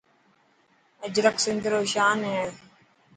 اجرڪ سنڌ رو شان هي.